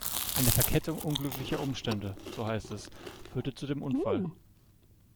Eine Verkettung unglücklicher Umstände, so heißt es, führte zu dem Unfall.